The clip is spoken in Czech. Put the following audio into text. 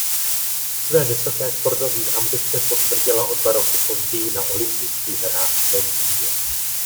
Své vysoké sportovní ambice potvrdila o dva roky později na olympijských hrách v Londýně.